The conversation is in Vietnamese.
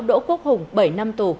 đỗ quốc hùng bảy năm tù